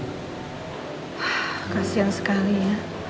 wah kasihan sekali ya